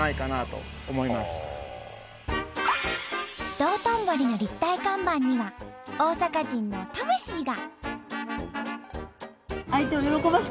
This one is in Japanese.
道頓堀の立体看板には大阪人の魂が。